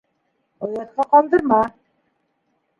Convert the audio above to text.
Оятҡа ҡалдырма!